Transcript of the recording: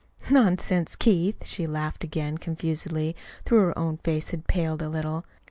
"Nonsense, Keith!" She laughed again confusedly, though her own face had paled a little.